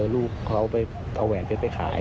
ลูกเขาไปเอาแหวนเพชรไปขาย